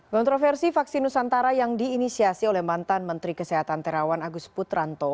kontroversi vaksin nusantara yang diinisiasi oleh mantan menteri kesehatan terawan agus putranto